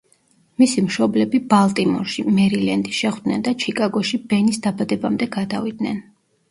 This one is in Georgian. მისი მშობლები ბალტიმორში, მერილენდი, შეხვდნენ და ჩიკაგოში ბენის დაბადებამდე გადავიდნენ.